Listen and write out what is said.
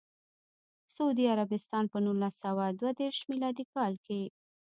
سعودي عربستان په نولس سوه دوه دیرش میلادي کال کې.